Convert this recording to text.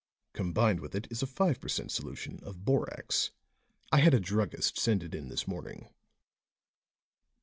Combined with it is a five per cent. solution of borax. I had a druggist send it in this morning."